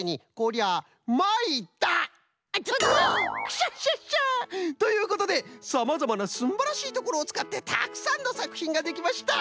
クシャシャシャ！ということでさまざまなすんばらしいところをつかってたくさんのさくひんができました。